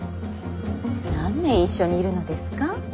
何年一緒にいるのですか。